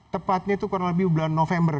tepatnya itu kurang lebih bulan november